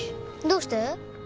どうして？